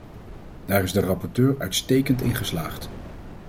Daar is de rapporteur uitstekend in geslaagd.